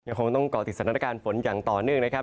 คงต้องเกาะติดสถานการณ์ฝนอย่างต่อเนื่องนะครับ